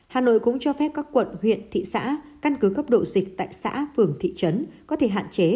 hà nội cũng cho phép các quận huyện thị xã căn cứ cấp độ dịch tại xã phường thị trấn có thể hạn chế